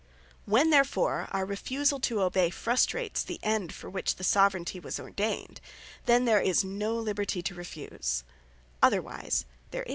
When therefore our refusall to obey, frustrates the End for which the Soveraignty was ordained; then there is no Liberty to refuse: otherwise there is.